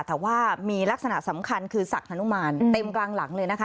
แต่ว่ามีลักษณะสำคัญคือศักดิ์ฮานุมานเต็มกลางหลังเลยนะคะ